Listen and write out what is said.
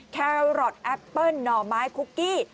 แครอทแอปเปิ้ลหน่อไม้คุกกี้